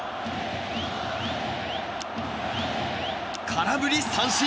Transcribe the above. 空振り三振！